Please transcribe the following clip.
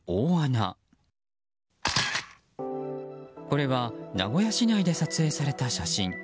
これは名古屋市内で撮影された写真。